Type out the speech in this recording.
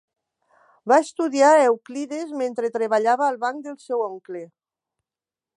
Va estudiar a Euclides mentre treballava al banc del seu oncle.